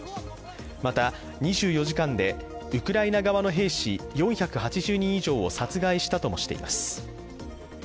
また、２４時間でウクライナ側の兵士４８０人以上を殺害したともしています。